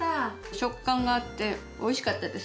食感があっておいしかったです。